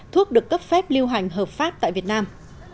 thuốc được cấp phép lưu hành hợp pháp tại việt nam